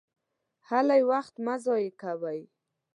هلئ! وخت مه ضایع کوئ!